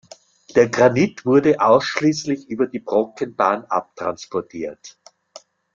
Der Granit wurde ausschließlich über die Brockenbahn abtransportiert.